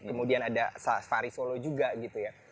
kemudian ada safari solo juga gitu ya